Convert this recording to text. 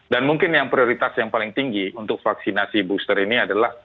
dan mungkin yang prioritas yang paling tinggi untuk vaksinasi booster ini adalah